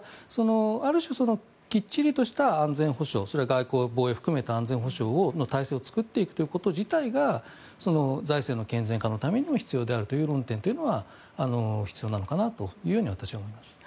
ある種、きっちりとした安全保障外交、防衛を含めた安全保障の体制を作っていくこと自体が財政の健全化のために必要であるという論点は必要なのかなと思います。